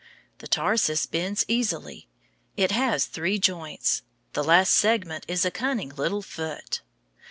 The tarsus bends easily. It has three joints. The last segment is a cunning little foot.